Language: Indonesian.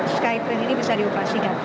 skytrain ini bisa diresmikan